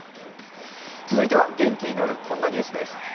続いては元気になる、こんなニュースです。